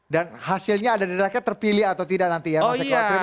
dan hasilnya ada diraknya terpilih atau tidak nanti ya mas eko